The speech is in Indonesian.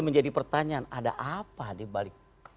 menjadi pertanyaan ada apa di balik